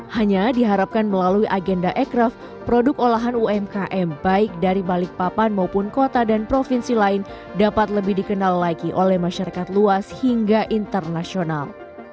hanya diharapkan melalui agenda ekraf produk olahan umkm baik dari balikpapan maupun kota dan provinsi lain dapat lebih dikenal lagi oleh masyarakat luas hingga internasional